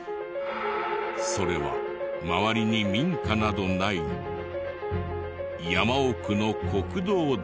それは周りに民家などない山奥の国道沿いに。